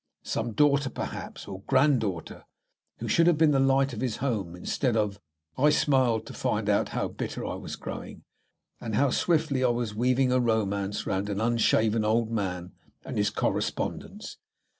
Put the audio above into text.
Some daughter, perhaps, or granddaughter, who should have been the light of his home instead of I smiled to find how bitter I was growing, and how swiftly I was weaving a romance round an unshaven old man and his correspondence.